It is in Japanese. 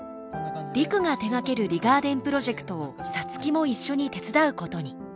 陸が手がけるリガーデンプロジェクトを皐月も一緒に手伝うことに。